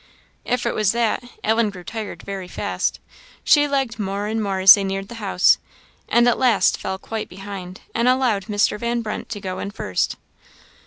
If it was that, Ellen grew tired very fast; she lagged more and more as they neared the house, and at last fell quite behind, and allowed Mr. Van Brunt to go in first.